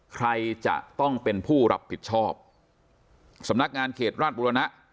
ใครจะต้องเป็นผู้รับผิดชอบสำนักงานเขตราชบุรณะ